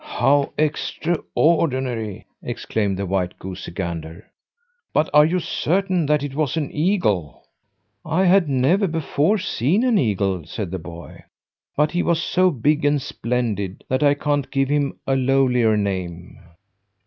"How extraordinary!" exclaimed the white goosey gander. "But are you certain that it was an eagle?" "I had never before seen an eagle," said the boy, "but he was so big and splendid that I can't give him a lowlier name!"